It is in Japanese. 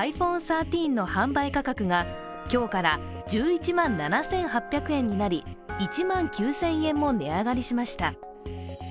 ｉＰｈｏｎｅ１３の販売価格が今日から１１万７８００円になり、１万９０００円も値上がりしました。